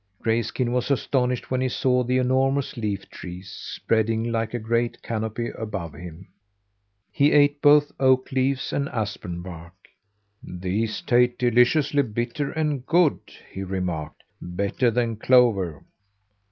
Grayskin was astonished when he saw the enormous leaf trees spreading like a great canopy above him. He ate both oak leaves and aspen bark. "These taste deliciously bitter and good!" he remarked. "Better than clover!"